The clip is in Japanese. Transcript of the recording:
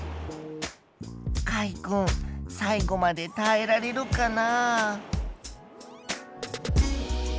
かいくん最後までたえられるかな？